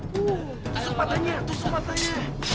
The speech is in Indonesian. tuh sepatahnya tuh sepatahnya